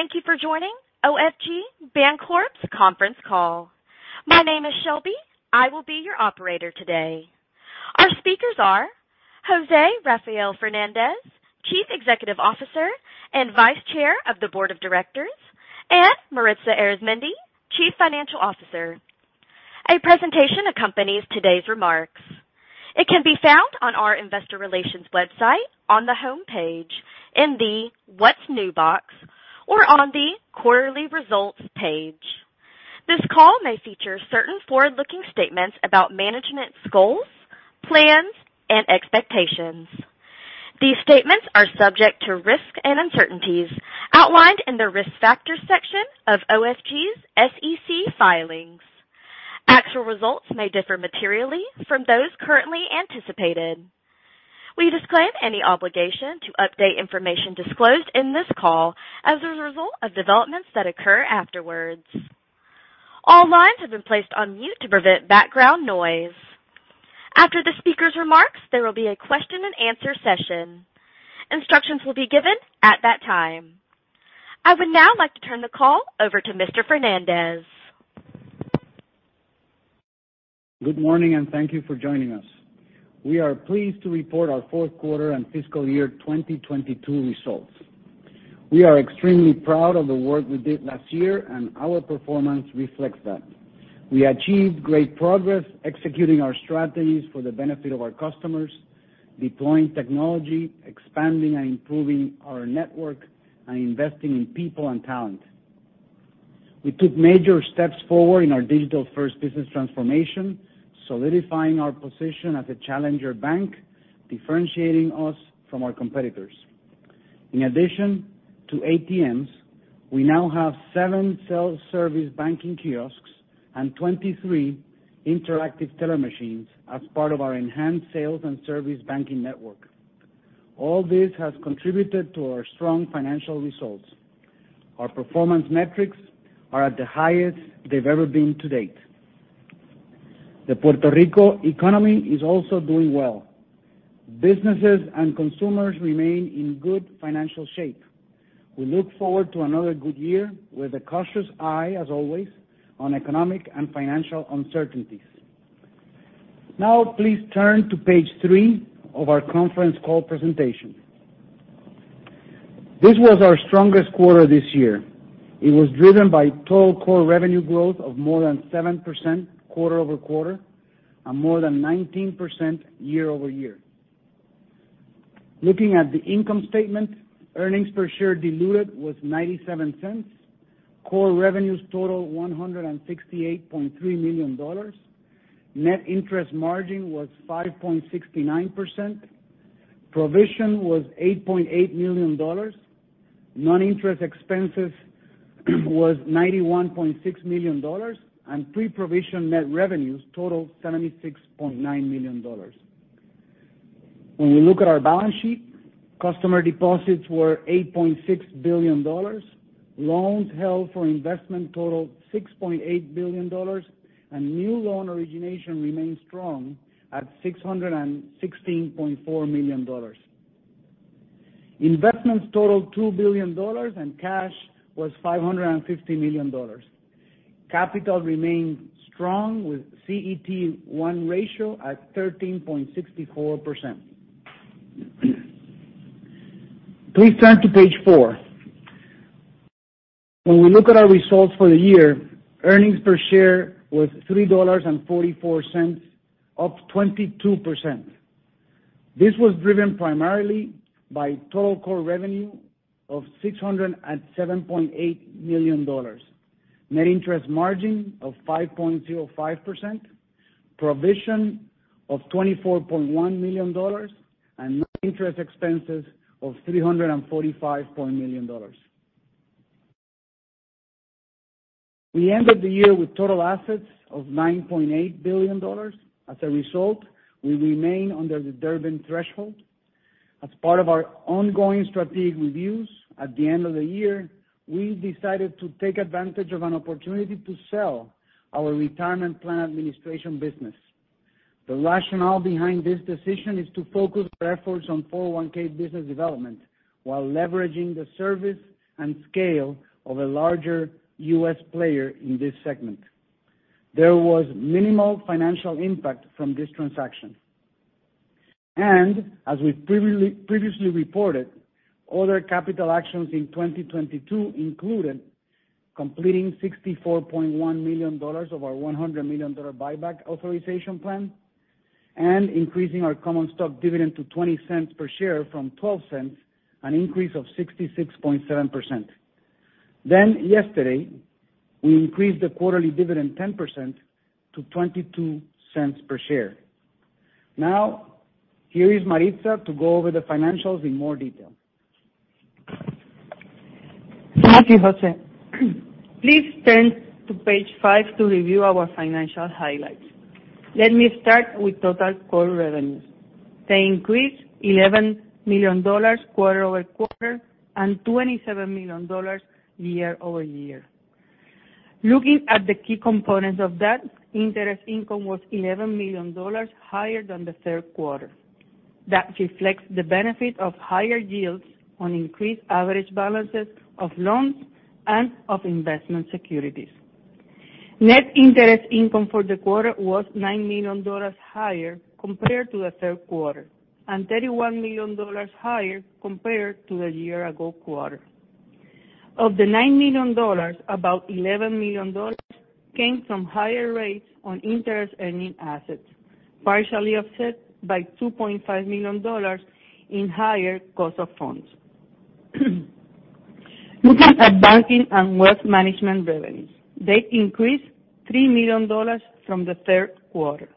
Good morning. Thank you for joining OFG Bancorp's Conference Call. My name is Shelby. I will be your operator today. Our speakers are José Rafael Fernández, Chief Executive Officer and Vice Chair of the Board of Directors, and Maritza Arizmendi, Chief Financial Officer. A presentation accompanies today's remarks. It can be found on our investor relations website on the homepage in the What's New box or on the quarterly results page. This call may feature certain forward-looking statements about management's goals, plans, and expectations. These statements are subject to risks and uncertainties outlined in the Risk Factors section of OFG's SEC filings. Actual results may differ materially from those currently anticipated. We disclaim any obligation to update information disclosed in this call as a result of developments that occur afterwards. All lines have been placed on mute to prevent background noise. After the speaker's remarks, there will be a question-and-answer session. Instructions will be given at that time. I would now like to turn the call over to Mr. Fernández. Good morning, and thank you for joining us. We are pleased to report our fourth quarter and fiscal year 2022 results. We are extremely proud of the work we did last year, and our performance reflects that. We achieved great progress executing our strategies for the benefit of our customers, deploying technology, expanding and improving our network, and investing in people and talent. We took major steps forward in our digital-first business transformation, solidifying our position as a challenger bank, differentiating us from our competitors. In addition to ATMs, we now have seven self-service banking kiosks and 23 Interactive Teller Machines as part of our enhanced sales and service banking network. All this has contributed to our strong financial results. Our performance metrics are at the highest they've ever been to date. The Puerto Rico economy is also doing well. Businesses and consumers remain in good financial shape. We look forward to another good year with a cautious eye, as always, on economic and financial uncertainties. Please turn to page three of our conference call presentation. This was our strongest quarter this year. It was driven by total core revenue growth of more than 7% quarter-over-quarter and more than 19% year-over-year. Looking at the income statement, earnings per share diluted was $0.97. Core revenues total $168.3 million. Net Interest Margin was 5.69%. Provision was $8.8 million. Non-interest expenses was $91.6 million. Pre-Provision Net Revenues totaled $76.9 million. When we look at our balance sheet, customer deposits were $8.6 billion. Loans held for investment totaled $6.8 billion, and new loan origination remains strong at $616.4 million. Investments totaled $2 billion, and cash was $550 million. Capital remains strong with CET1 ratio at 13.64%. Please turn to page four. When we look at our results for the year, earnings per share was $3.44, up 22%. This was driven primarily by total core revenue of $607.8 million, Net Interest Margin of 5.05%, provision of $24.1 million, and interest expenses of $345 million. We ended the year with total assets of $9.8 billion. As a result, we remain under the Durbin threshold. As part of our ongoing strategic reviews at the end of the year, we decided to take advantage of an opportunity to sell our retirement plan administration business. The rationale behind this decision is to focus our efforts on 401(k) business development while leveraging the service and scale of a larger U.S. player in this segment. There was minimal financial impact from this transaction. As we've previously reported, other capital actions in 2022 included completing $64.1 million of our $100 million buyback authorization plan and increasing our common stock dividend to $0.20 per share from $0.12, an increase of 66.7%. Yesterday, we increased the quarterly dividend 10% to $0.22 per share. Here is Maritza to go over the financials in more detail. Thank you, José. Please turn to page five to review our financial highlights. Let me start with total core revenues. They increased $11 million quarter-over-quarter and $27 million year-over-year. Looking at the key components of that, interest income was $11 million higher than the third quarter. That reflects the benefit of higher yields on increased average balances of loans and of investment securities. Net interest income for the quarter was $9 million higher compared to the third quarter, and $31 million higher compared to the year ago quarter. Of the $9 million, about $11 million came from higher rates on interest-earning assets, partially offset by $2.5 million in higher cost of funds. Looking at banking and wealth management revenues, they increased $3 million from the third quarter.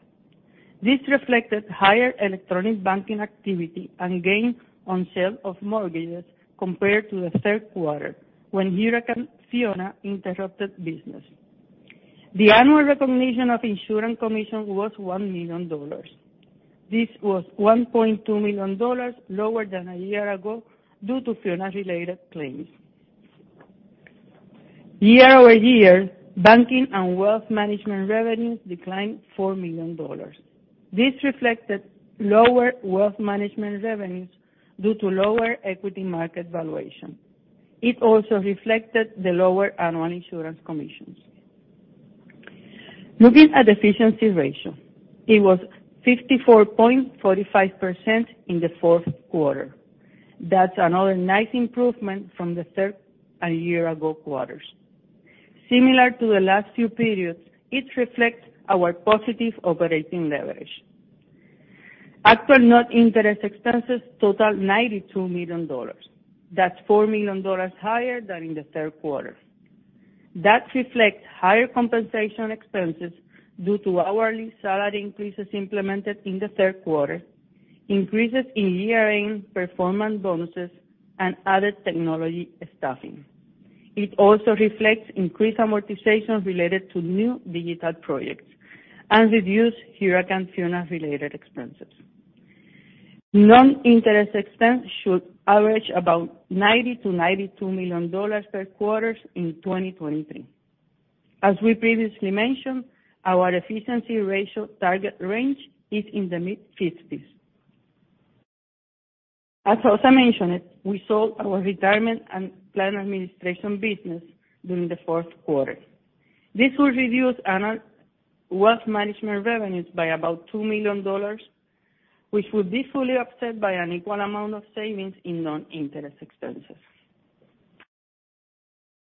This reflected higher electronic banking activity and gain on sale of mortgages compared to the third quarter, when Hurricane Fiona interrupted business. The annual recognition of insurance commission was $1 million. This was $1.2 million lower than a year ago, due to Fiona-related claims. Year-over-year, banking and wealth management revenues declined $4 million. This reflected lower wealth management revenues due to lower equity market valuation. It also reflected the lower annual insurance commissions. Looking at Efficiency Ratio, it was 54.45% in the fourth quarter. That's another nice improvement from the third and year ago quarters. Similar to the last two periods, it reflects our positive operating leverage. Actual non-interest expenses totaled $92 million. That's $4 million higher than in the third quarter. That reflects higher compensation expenses due to hourly salary increases implemented in the third quarter, increases in year-end performance bonuses, and added technology staffing. It also reflects increased amortization related to new digital projects and reduced Hurricane Fiona-related expenses. Non-interest expense should average about $90 million-$92 million per quarters in 2023. As we previously mentioned, our Efficiency Ratio target range is in the mid-fifties. Also mentioned, we sold our retirement and plan administration business during the fourth quarter. This will reduce annual wealth management revenues by about $2 million, which will be fully offset by an equal amount of savings in non-interest expenses.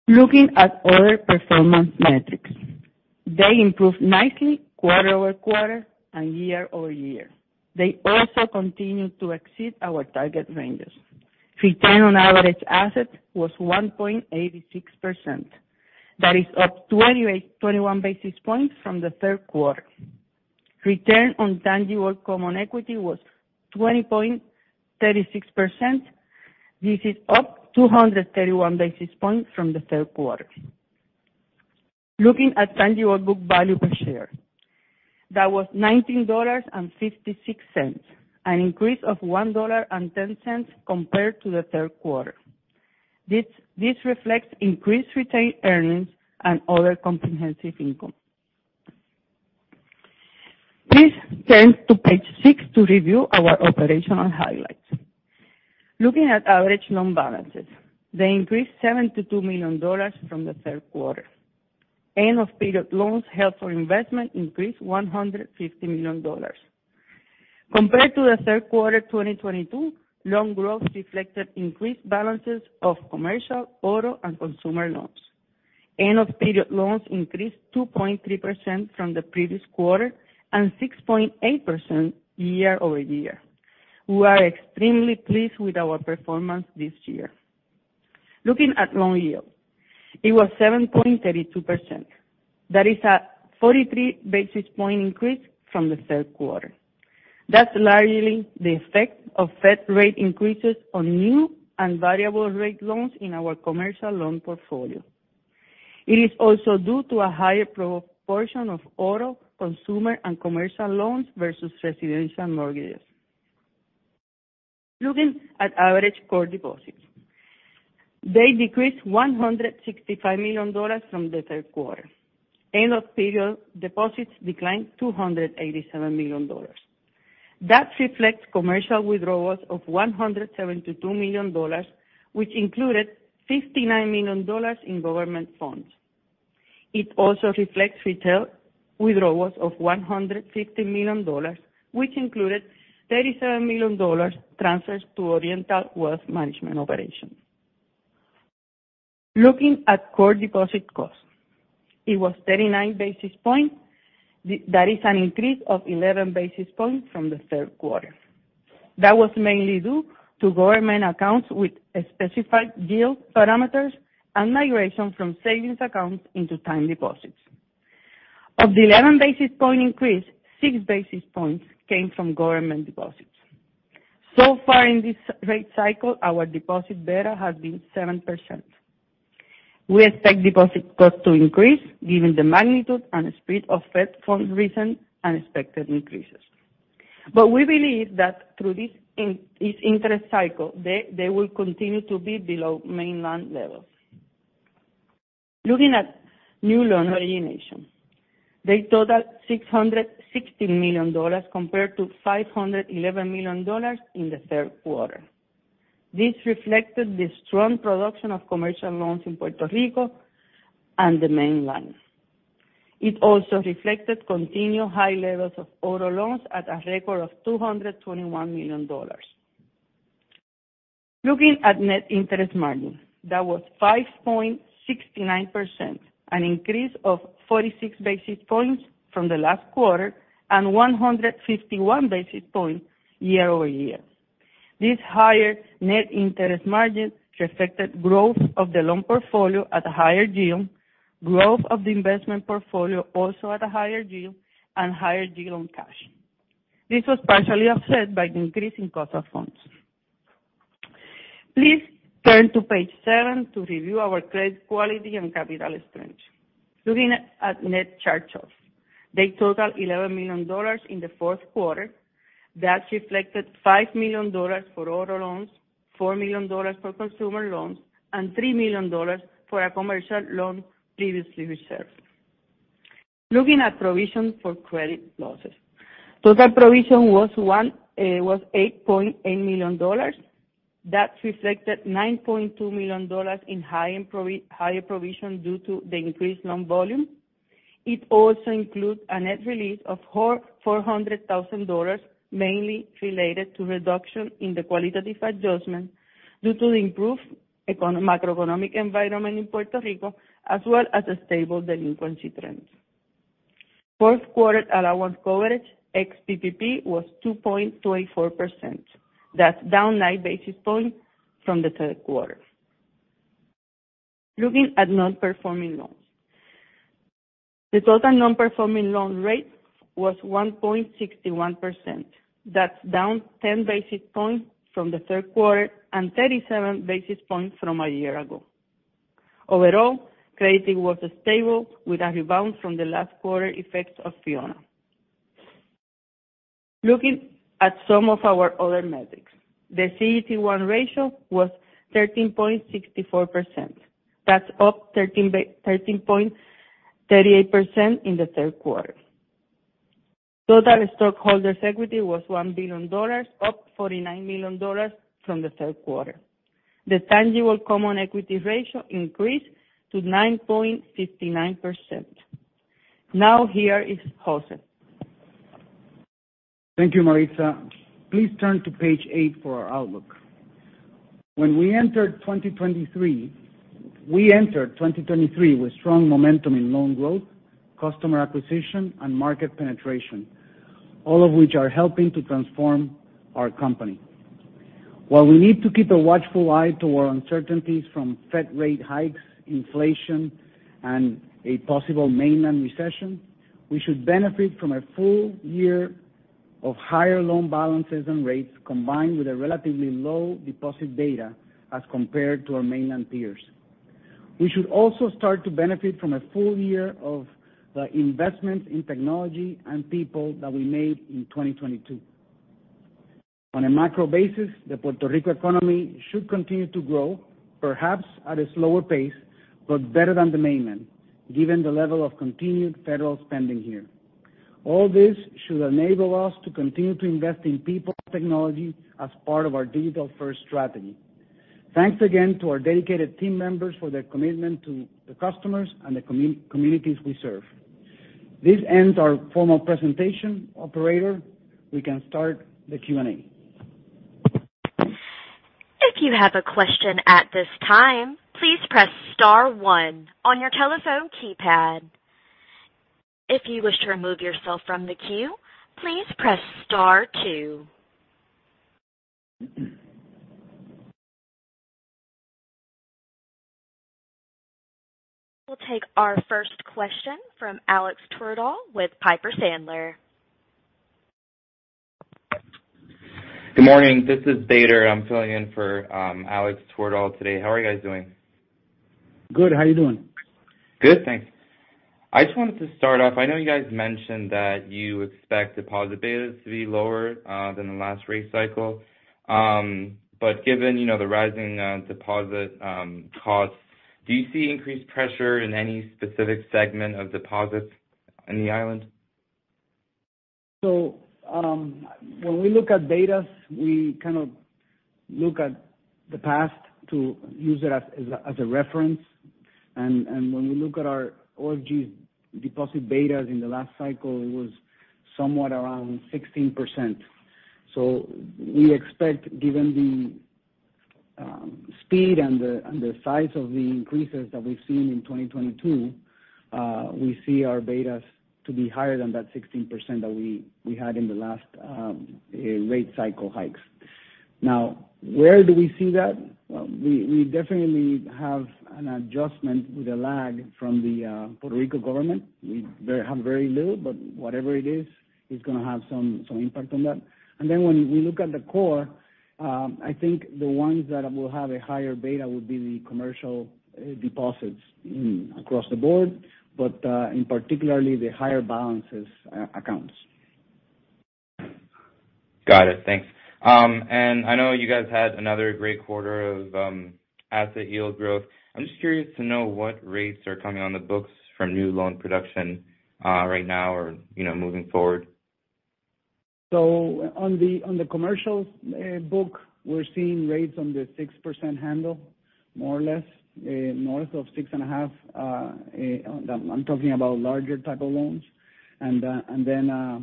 Looking at other performance metrics, they improved nicely quarter-over-quarter and year-over-year. They also continued to exceed our target ranges. Return on Average Assets was 1.86%. That is up 28... 21 basis points from the third quarter. Return on Tangible Common Equity was 20.36%. This is up 231 basis points from the third quarter. Looking at Tangible Book Value Per Share, that was $19.56, an increase of $1.10 compared to the third quarter. This reflects increased retained earnings and other comprehensive income. Please turn to page six to review our operational highlights. Looking at average loan balances, they increased $72 million from the third quarter. End-of-period loans held for investment increased $150 million. Compared to the third quarter, 2022, loan growth reflected increased balances of commercial, auto, and consumer loans. End-of-period loans increased 2.3% from the previous quarter, and 6.8% year-over-year. We are extremely pleased with our performance this year. Looking at loan yield, it was 7.32%. That is a 43 basis point increase from the third quarter. That's largely the effect of Fed rate increases on new and variable rate loans in our commercial loan portfolio. It is also due to a higher proportion of auto, consumer, and commercial loans versus residential mortgages. Looking at average core deposits, they decreased $165 million from the third quarter. End-of-period deposits declined $287 million. That reflects commercial withdrawals of $172 million, which included $59 million in government funds. It also reflects retail withdrawals of $150 million, which included $37 million transfers to Oriental Wealth Management operations. Looking at core deposit costs, it was 39 basis points. That is an increase of 11 basis points from the third quarter. That was mainly due to government accounts with specified yield parameters and migration from savings accounts into time deposits. Of the 11 basis point increase, 6 basis points came from government deposits. So far in this rate cycle, our Deposit Beta has been 7%. We expect deposit costs to increase given the magnitude and speed of Fed funds recent and expected increases. We believe that through this interest cycle, they will continue to be below mainland levels. Looking at new loan origination. They totaled $660 million compared to $511 million in the third quarter. This reflected the strong production of commercial loans in Puerto Rico and the mainland. It also reflected continued high levels of auto loans at a record of $221 million. Looking at Net Interest Margin, that was 5.69%, an increase of 46 basis points from the last quarter and 151 basis points year-over-year. This higher Net Interest Margin reflected growth of the loan portfolio at a higher yield, growth of the investment portfolio also at a higher yield, and higher yield on cash. This was partially offset by the increase in cost of funds. Please turn to page seven to review our credit quality and capital strength. Looking at net charge-offs. They totaled $11 million in the fourth quarter. That reflected $5 million for auto loans, $4 million for consumer loans, and $3 million for a commercial loan previously reserved. Looking at provision for credit losses. Total provision was $8.8 million. That reflected $9.2 million in higher provision due to the increased loan volume. It also includes a net release of $400,000, mainly related to reduction in the qualitative adjustment due to the improved macroeconomic environment in Puerto Rico, as well as a stable delinquency trend. Fourth quarter allowance coverage ex PPP was 2.24%. That's down 9 basis points from the third quarter. Looking at non-performing loans. The total non-performing loan rate was 1.61%. That's down 10 basis points from the third quarter and 37 basis points from a year ago. Overall, credit was stable with a rebound from the last quarter effects of Fiona. Looking at some of our other metrics. The CET1 ratio was 13.64%. That's up 13.38% in the third quarter. Total stockholders' equity was $1 billion, up $49 million from the third quarter. The Tangible Common Equity Ratio increased to 9.59%. Now, here is José. Thank you, Maritza. Please turn to page eight for our outlook. We entered 2023 with strong momentum in loan growth, customer acquisition, and market penetration, all of which are helping to transform our company. While we need to keep a watchful eye toward uncertainties from Fed rate hikes, inflation, and a possible mainland recession, we should benefit from a full year of higher loan balances and rates, combined with a relatively low Deposit Beta as compared to our mainland peers. We should also start to benefit from a full year of the investments in technology and people that we made in 2022. On a macro basis, the Puerto Rico economy should continue to grow, perhaps at a slower pace, but better than the mainland, given the level of continued federal spending here. All this should enable us to continue to invest in people and technology as part of our digital-first strategy. Thanks again to our dedicated team members for their commitment to the customers and the communities we serve. This ends our formal presentation. Operator, we can start the Q&A. If you have a question at this time, please press star one on your telephone keypad. If you wish to remove yourself from the queue, please press star two. We'll take our first question from Alexander Twerdahl with Piper Sandler. Good morning. This is Bader. I'm filling in for Alexander Twerdahl today. How are you guys doing? Good. How are you doing? Good, thanks. I just wanted to start off. I know you guys mentioned that you expect Deposit Betas to be lower than the last rate cycle. Given, you know, the rising deposit costs, do you see increased pressure in any specific segment of deposits in the island? When we look at betas, we kind of look at the past to use it as a reference. When we look at our OFG deposit betas in the last cycle, it was somewhat around 16%. We expect, given the speed and the size of the increases that we've seen in 2022, we see our betas to be higher than that 16% that we had in the last rate cycle hikes. Where do we see that? We definitely have an adjustment with a lag from the Puerto Rico government. We have very little, but whatever it is, it's gonna have some impact on that. When we look at the core, I think the ones that will have a higher beta would be the commercial, deposits across the board, but, in particularly the higher balances accounts. Got it. Thanks. I know you guys had another great quarter of asset yield growth. I'm just curious to know what rates are coming on the books from new loan production, right now or, you know, moving forward. On the commercial book, we're seeing rates on the 6% handle, more or less, north of 6.5%. I'm talking about larger type of loans. On the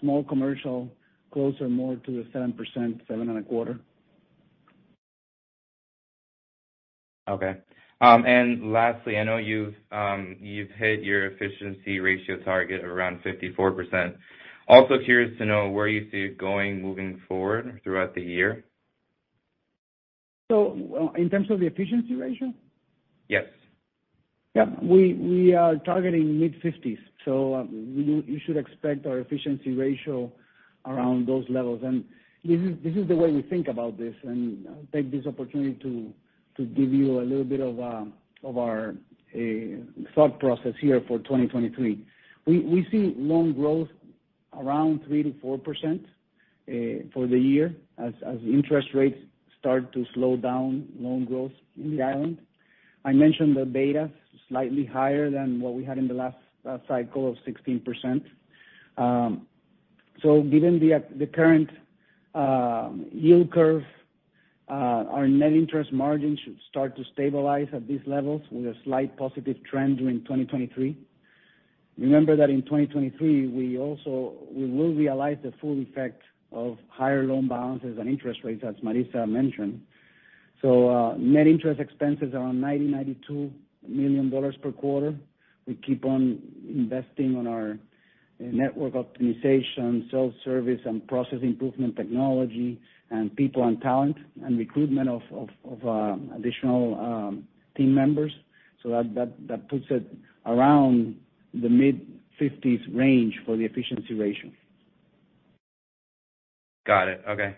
small commercial, closer more to the 7%, 7.25%. Okay. Lastly, I know you've hit your Efficiency Ratio target around 54%. Also curious to know where you see it going moving forward throughout the year. In terms of the Efficiency Ratio? Yes. We are targeting mid-50s, so you should expect our Efficiency Ratio around those levels. This is the way we think about this, and I'll take this opportunity to give you a little bit of our thought process here for 2023. We see loan growth around 3%-4% for the year as interest rates start to slow down loan growth in the island. I mentioned the Deposit Beta slightly higher than what we had in the last cycle of 16%. Given the current yield curve, our Net Interest Margin should start to stabilize at these levels with a slight positive trend during 2023. Remember that in 2023, we will realize the full effect of higher loan balances and interest rates, as Maritza mentioned. Net interest expenses are on $90-$92 million per quarter. We keep on investing on our network optimization, self-service, and process improvement technology and people and talent and recruitment of additional team members. that puts it around the mid-50s range for the Efficiency Ratio. Got it. Okay.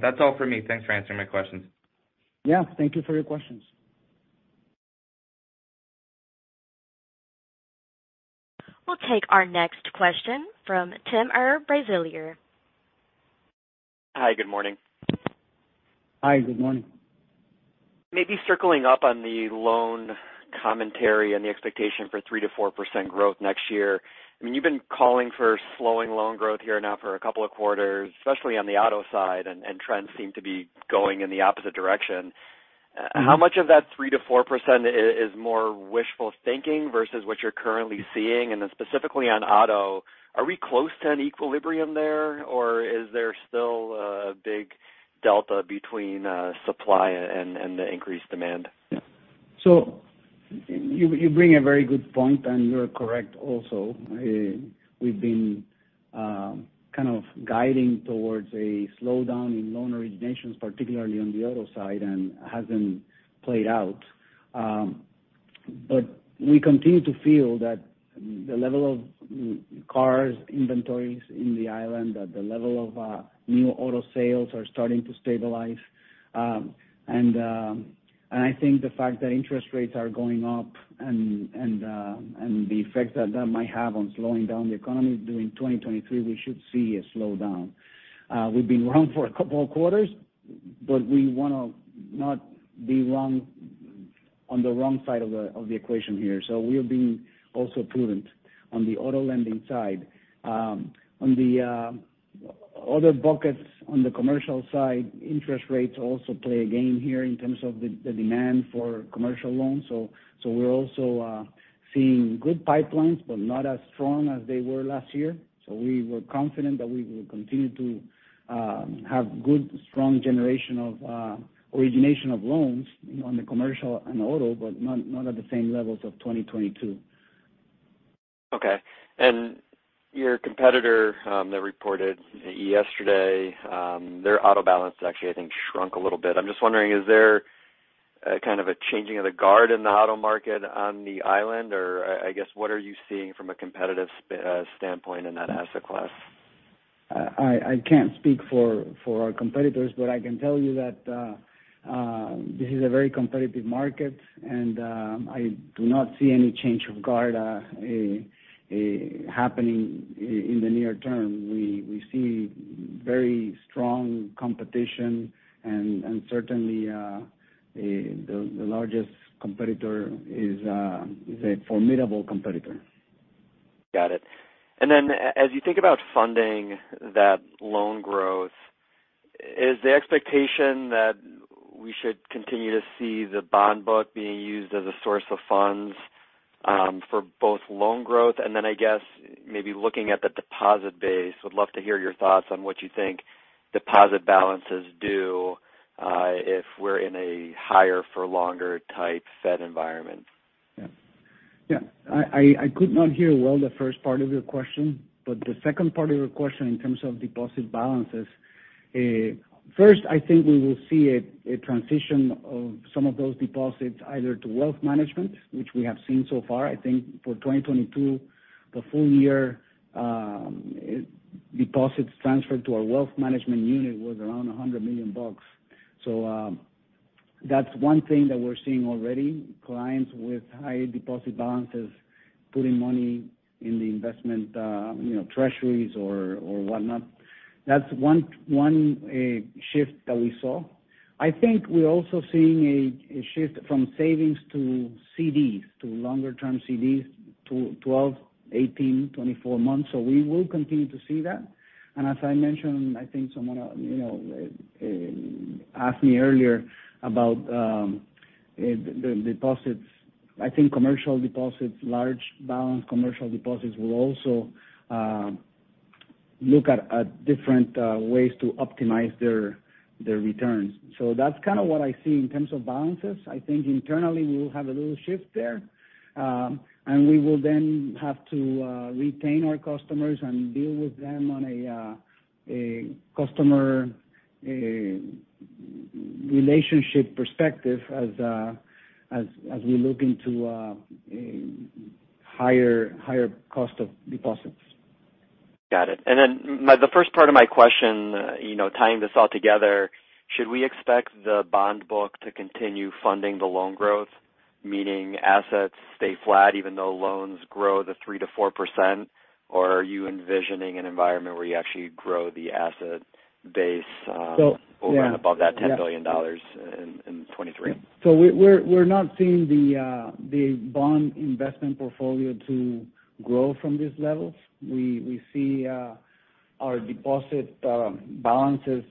That's all for me. Thanks for answering my questions. Yeah. Thank you for your questions. We'll take our next question from Timur Braziler. Hi. Good morning. Hi. Good morning. Maybe circling up on the loan commentary and the expectation for 3%-4% growth next year. I mean, you've been calling for slowing loan growth here now for a couple of quarters, especially on the auto side, and trends seem to be going in the opposite direction. How much of that 3%-4% is more wishful thinking versus what you're currently seeing? Specifically on auto, are we close to an equilibrium there, or is there still a big delta between supply and the increased demand? You bring a very good point, and you're correct also. We've been kind of guiding towards a slowdown in loan originations, particularly on the auto side, and hasn't played out. We continue to feel that the level of cars inventories in the island, that the level of new auto sales are starting to stabilize. And I think the fact that interest rates are going up and the effect that that might have on slowing down the economy during 2023, we should see a slowdown. We've been wrong for a couple of quarters, but we wanna not be wrong on the wrong side of the, of the equation here. We are being also prudent on the auto lending side. On the other buckets on the commercial side, interest rates also play a game here in terms of the demand for commercial loans. We're also seeing good pipelines, but not as strong as they were last year. We were confident that we will continue to have good, strong generation of origination of loans on the commercial and auto, but not at the same levels of 2022. Okay. your competitor, that reported yesterday, their auto balance actually, I think, shrunk a little bit. I'm just wondering, is there a kind of a changing of the guard in the auto market on the island? Or I guess, what are you seeing from a competitive standpoint in that asset class? I can't speak for our competitors, but I can tell you that this is a very competitive market, and I do not see any change of guard happening in the near term. We see very strong competition and certainly the largest competitor is a formidable competitor. Got it. As you think about funding that loan growth, is the expectation that we should continue to see the bond book being used as a source of funds, for both loan growth, and then I guess maybe looking at the deposit base, would love to hear your thoughts on what you think deposit balances do, if we're in a higher for longer type Fed environment? Yeah. Yeah. I could not hear well the first part of your question. The second part of your question in terms of deposit balances, first, I think we will see a transition of some of those deposits either to wealth management, which we have seen so far. I think for 2022, the full year, deposits transferred to our wealth management unit was around $100 million. That's one thing that we're seeing already, clients with high deposit balances putting money in the investment, you know, treasuries or whatnot. That's one shift that we saw. I think we're also seeing a shift from savings to CDs, to longer-term CDs, 12, 18, 24 months. We will continue to see that. As I mentioned, I think someone, you know, asked me earlier about the deposits. I think commercial deposits, large balance commercial deposits, will also look at different ways to optimize their returns. That's kinda what I see in terms of balances. I think internally, we will have a little shift there. We will then have to retain our customers and deal with them on a customer relationship perspective as we look into higher cost of deposits. Got it. Then the first part of my question, you know, tying this all together, should we expect the bond book to continue funding the loan growth, meaning assets stay flat even though loans grow the 3%-4%? Are you envisioning an environment where you actually grow the asset base? Yeah. Over and above that $10 billion in 2023? We're not seeing the bond investment portfolio to grow from these levels. We see our deposit balances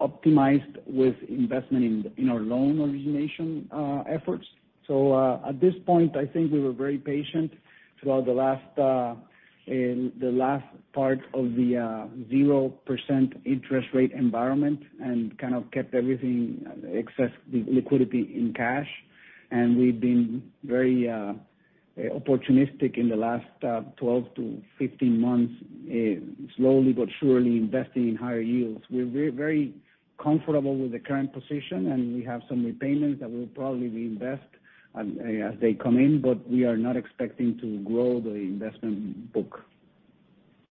optimized with investment in our loan origination efforts. At this point, I think we were very patient throughout the last in the last part of the 0% interest rate environment and kind of kept everything, excess liquidity in cash. We've been very opportunistic in the last 12-15 months, slowly but surely investing in higher yields. We're very comfortable with the current position, and we have some repayments that we'll probably reinvest as they come in, but we are not expecting to grow the investment book.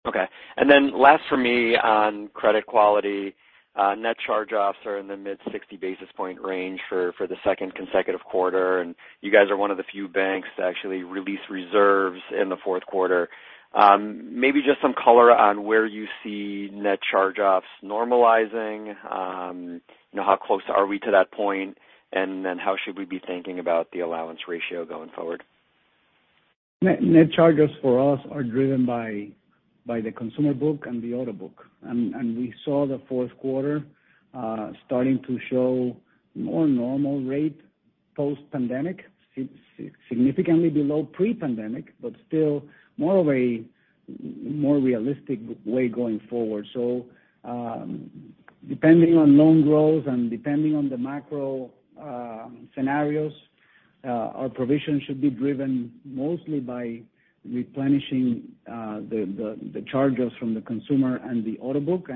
Okay. Last for me on credit quality. Net charge-offs are in the mid-60 basis point range for the second consecutive quarter, and you guys are one of the few banks to actually release reserves in the fourth quarter. Maybe just some color on where you see net charge-offs normalizing? You know, how close are we to that point? How should we be thinking about the allowance ratio going forward? Net charge-offs for us are driven by the consumer book and the auto book. We saw the fourth quarter starting to show more normal rate post-pandemic. Significantly below pre-pandemic, but still more of a more realistic way going forward. Depending on loan growth and depending on the macro scenarios, our provision should be driven mostly by replenishing the charge-offs from the consumer and the auto book.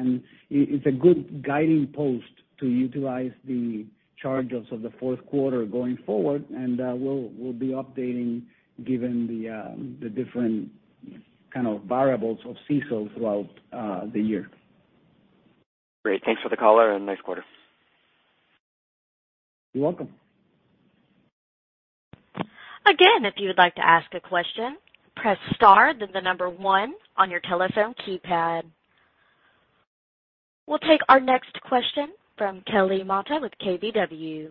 It's a good guiding post to utilize the charge-offs of the fourth quarter going forward, and we'll be updating given the different kind of variables of CECL throughout the year. Great. Thanks for the color, and nice quarter. You're welcome. Again, if you would like to ask a question, press star then the number one on your telephone keypad. We'll take our next question from Kelly Motta with KBW.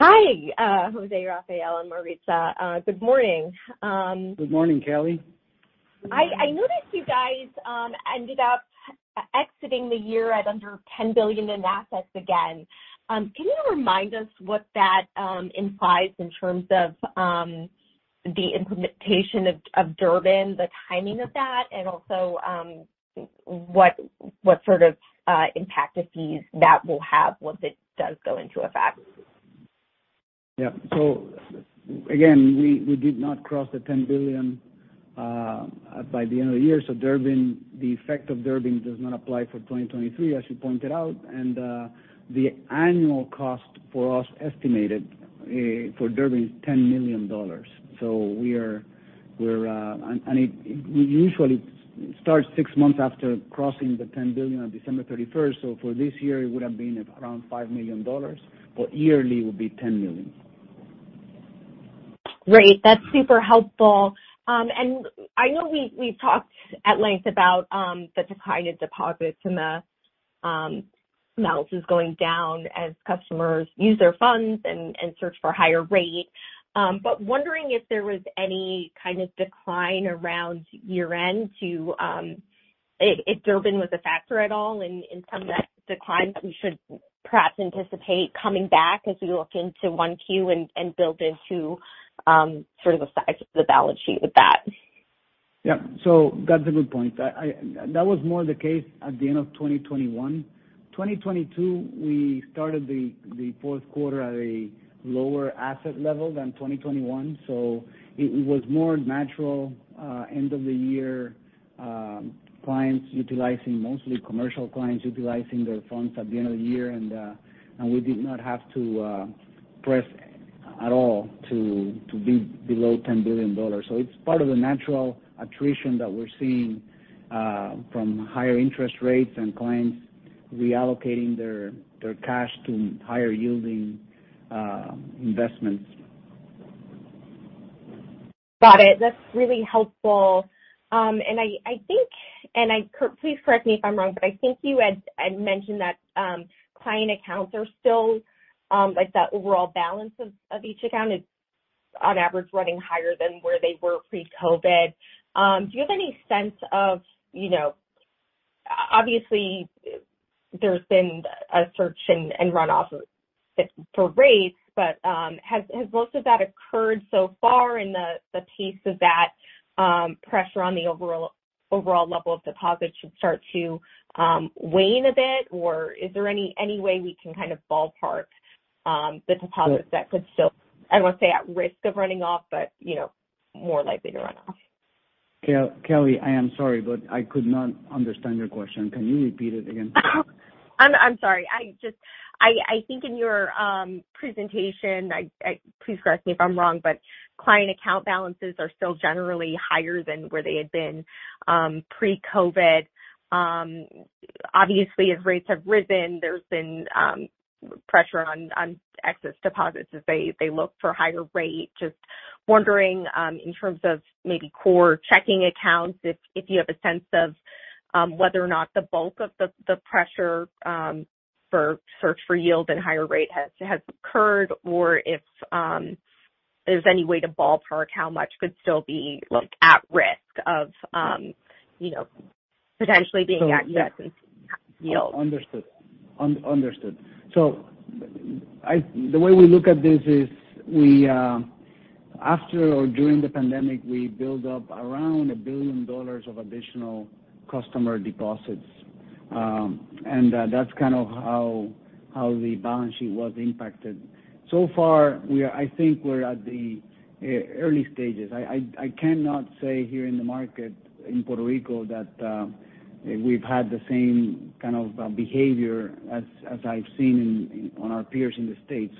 Hi, José, Rafael and Maritza. Good morning. Good morning, Kelly. I noticed you guys ended up exiting the year at under $10 billion in assets again. Can you remind us what that implies in terms of the implementation of Durbin, the timing of that? Also, what sort of impact of fees that will have once it does go into effect? Yeah. Again, we did not cross the $10 billion by the end of the year. Durbin, the effect of Durbin does not apply for 2023, as you pointed out. The annual cost for us estimated for Durbin is $10 million. We usually start six months after crossing the $10 billion on December 31st. For this year, it would have been around $5 million, but yearly it would be $10 million. Great. That's super helpful. I know we've talked at length about the decline in deposits and the balances going down as customers use their funds and search for higher rates. Wondering if there was any kind of decline around year-end to, if Durbin was a factor at all in some of that declines we should perhaps anticipate coming back as we look into 1Q and build into sort of the size of the balance sheet with that. Yeah. That's a good point. That was more the case at the end of 2021. 2022, we started the fourth quarter at a lower asset level than 2021, so it was more natural end of the year clients utilizing, mostly commercial clients utilizing their funds at the end of the year. We did not have to at all to be below $10 billion. It's part of the natural attrition that we're seeing from higher interest rates and clients reallocating their cash to higher yielding investments. Got it. That's really helpful. I think, and I, please correct me if I'm wrong, but I think you had mentioned that, like, the overall balance of each account is on average running higher than where they were pre-COVID. Do you have any sense of, you know, obviously there's been a search and runoff for rates, but, has most of that occurred so far in the pace of that, pressure on the overall level of deposits should start to wane a bit? Is there any way we can kind of ballpark, the deposits that could still, I don't wanna say at risk of running off, but, you know, more likely to run off? Kelly, I am sorry, but I could not understand your question. Can you repeat it again? I'm sorry. I think in your presentation, please correct me if I'm wrong, but client account balances are still generally higher than where they had been pre-COVID. Obviously, as rates have risen, there's been pressure on excess deposits as they look for higher rate. Just wondering in terms of maybe core checking accounts, if you have a sense of whether or not the bulk of the pressure for search for yield and higher rate has occurred or if there's any way to ballpark how much could still be, like, at risk of, you know, potentially being. Yeah. access to that yield. Understood. The way we look at this is we, after or during the pandemic, we build up around $1 billion of additional customer deposits. That's kind of how the balance sheet was impacted. So far, we are I think we're at the early stages. I, I cannot say here in the market in Puerto Rico that we've had the same kind of behavior as I've seen on our peers in the States.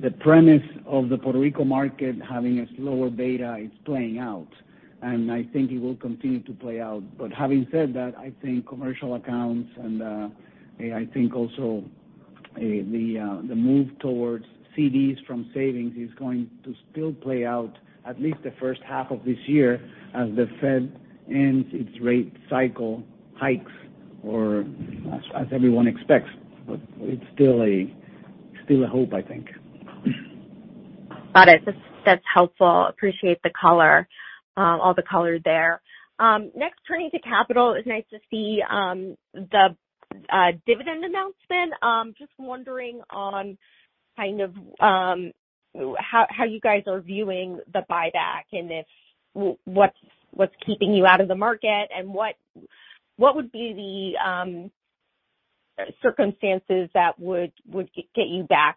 The premise of the Puerto Rico market having a slower Beta is playing out, and I think it will continue to play out. Having said that, I think commercial accounts and, I think also, the move towards CDs from savings is going to still play out at least the first half of this year as the Fed ends its rate cycle hikes or as everyone expects. It's still a hope, I think. Got it. That's helpful. Appreciate the color. All the color there. Next, turning to capital, it's nice to see the dividend announcement. Just wondering on kind of how you guys are viewing the buyback and if what's keeping you out of the market and what would be the circumstances that would get you back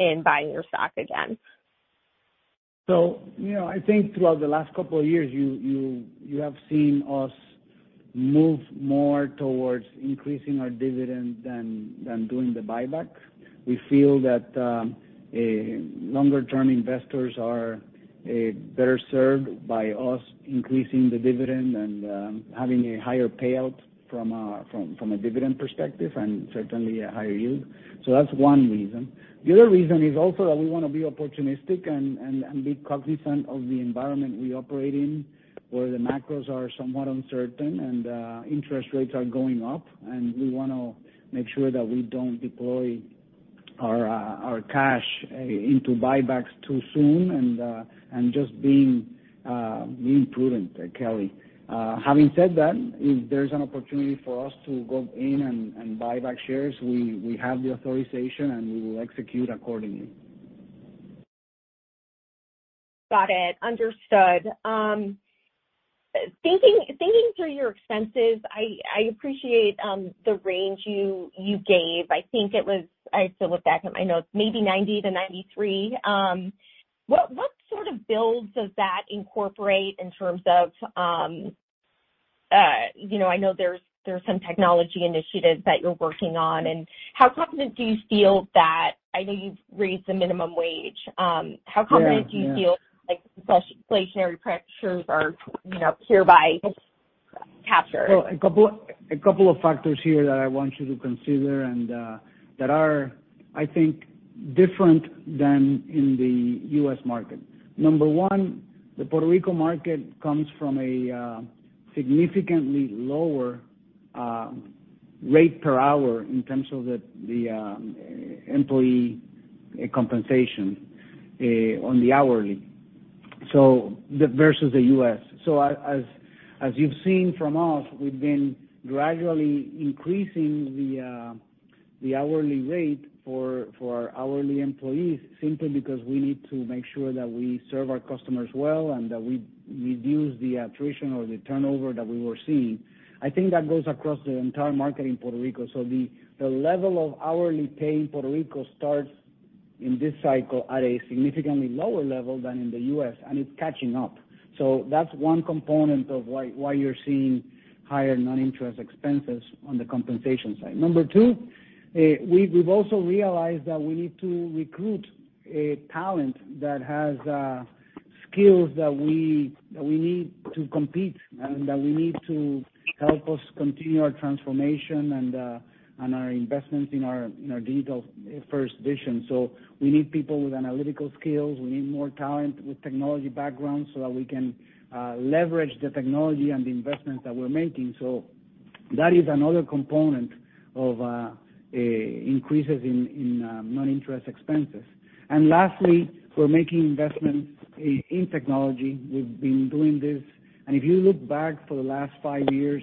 in buying your stock again? You know, I think throughout the last couple of years, you have seen us move more towards increasing our dividend than doing the buybacks. We feel that longer-term investors are better served by us increasing the dividend and having a higher payout from a dividend perspective and certainly a higher yield. That's one reason. The other reason is also that we wanna be opportunistic and be cognizant of the environment we operate in, where the macros are somewhat uncertain and interest rates are going up. We wanna make sure that we don't deploy our cash into buybacks too soon and just being prudent, Kelly. Having said that, if there's an opportunity for us to go in and buy back shares, we have the authorization. We will execute accordingly. Got it. Understood. Thinking through your expenses, I appreciate the range you gave. I have to look back at my notes, maybe $90 million-$93 million. What sort of builds does that incorporate in terms of, you know, I know there's some technology initiatives that you're working on. How confident do you feel that I know you've raised the minimum wage. Yeah, yeah. How confident do you feel like inflationary pressures are, you know, hereby captured? A couple of factors here that I want you to consider and that are, I think, different than in the U.S. market. Number one, the Puerto Rico market comes from a significantly lower rate per hour in terms of the employee compensation on the hourly versus the U.S. As you've seen from us, we've been gradually increasing the hourly rate for our hourly employees simply because we need to make sure that we serve our customers well and that we reduce the attrition or the turnover that we were seeing. I think that goes across the entire market in Puerto Rico. The level of hourly pay in Puerto Rico starts in this cycle at a significantly lower level than in the U.S., and it's catching up. That's one component of why you're seeing higher non-interest expenses on the compensation side. Number two, we've also realized that we need to recruit a talent that has skills that we need to compete and that we need to help us continue our transformation and our investments in our digital first vision. We need people with analytical skills. We need more talent with technology backgrounds so that we can leverage the technology and the investments that we're making. That is another component of increases in non-interest expenses. Lastly, we're making investments in technology. We've been doing this. If you look back for the last five years,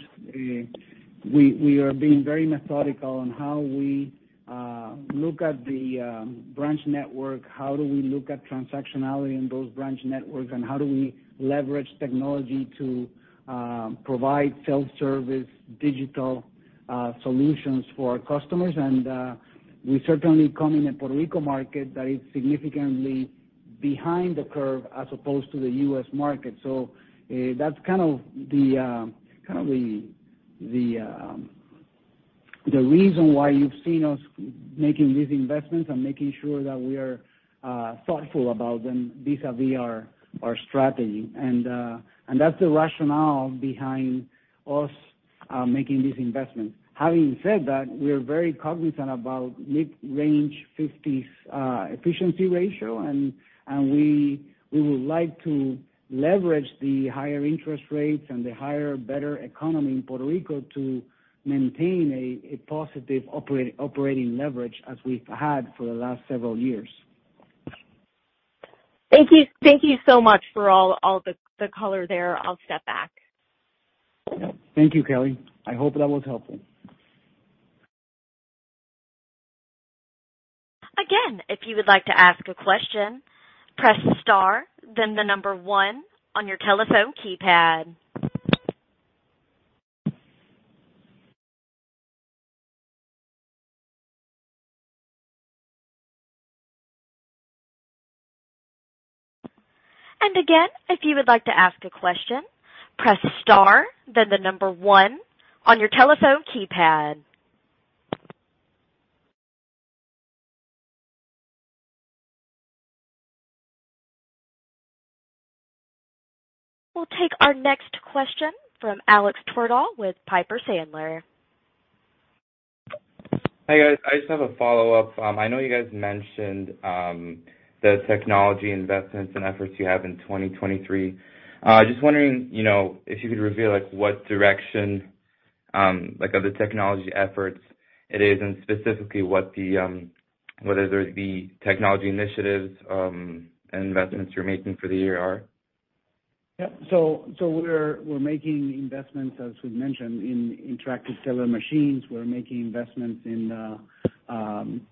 we are being very methodical on how we look at the branch network, how do we look at transactionality in those branch networks, and how do we leverage technology to provide self-service digital solutions for our customers. We certainly come in a Puerto Rico market that is significantly behind the curve as opposed to the U.S. market. That's kind of the reason why you've seen us making these investments and making sure that we are thoughtful about them vis-a-vis our strategy. That's the rationale behind us making these investments. Having said that, we are very cognizant about mid-range 50s Efficiency Ratio. We would like to leverage the higher interest rates and the higher, better economy in Puerto Rico to maintain a positive operating leverage as we've had for the last several years. Thank you. Thank you so much for all the color there. I'll step back. Thank you, Kelly. I hope that was helpful. Again, if you would like to ask a question, press star, then the number one on your telephone keypad. Again, if you would like to ask a question, press star, then the number one on your telephone keypad. We'll take our next question from Alexander Twerdahl with Piper Sandler. Hi, guys. I just have a follow-up. I know you guys mentioned the technology investments and efforts you have in 2023. Just wondering, you know, if you could reveal, like, what direction, like, of the technology efforts it is, and specifically what the, whether the technology initiatives and investments you're making for the year are. Yeah. We're making investments, as we've mentioned, in Interactive Teller Machines. We're making investments in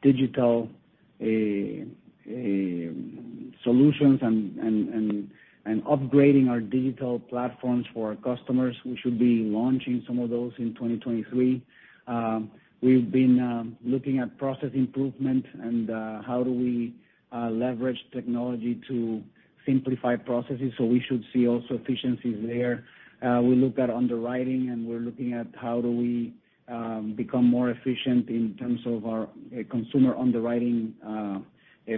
digital solutions and upgrading our digital platforms for our customers. We should be launching some of those in 2023. We've been looking at process improvement and how do we leverage technology to simplify processes. We should see also efficiencies there. We looked at underwriting, and we're looking at how do we become more efficient in terms of our consumer underwriting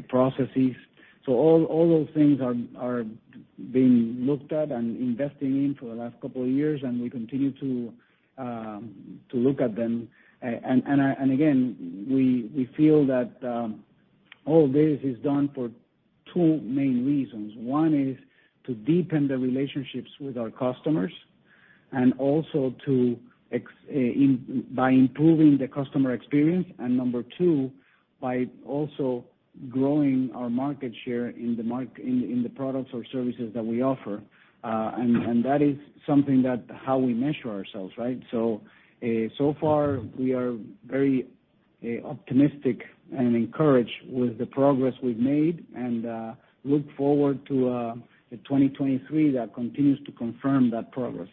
processes. All those things are being looked at and investing in for the last couple of years, and we continue to look at them. Again, we feel that all this is done for two main reasons. One is to deepen the relationships with our customers by improving the customer experience. Number two, by also growing our market share in the products or services that we offer. That is something that how we measure ourselves, right? So far, we are very optimistic and encouraged with the progress we've made and look forward to 2023 that continues to confirm that progress.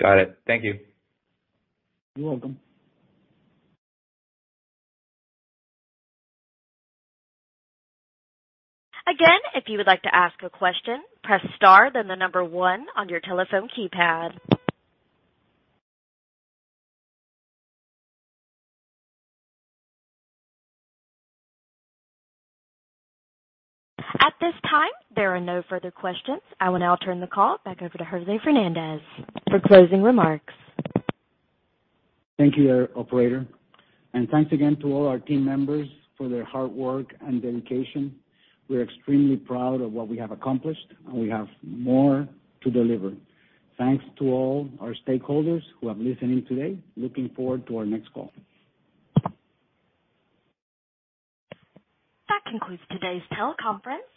Got it. Thank you. You're welcome. Again, if you would like to ask a question, press star, then the number one on your telephone keypad. At this time, there are no further questions. I will now turn the call back over to José Fernandez for closing remarks. Thank you, operator. Thanks again to all our team members for their hard work and dedication. We're extremely proud of what we have accomplished, and we have more to deliver. Thanks to all our stakeholders who have listened in today. Looking forward to our next call. That concludes today's teleconference.